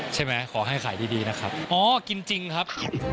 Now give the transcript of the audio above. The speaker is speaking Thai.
ขอให้ขายดีดีนะครับอ๋อกินจริงครับ